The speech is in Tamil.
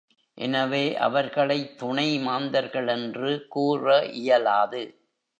எனவே அவர்களைத் துணை மாந்தர்கள் என்று கூற இயலாது.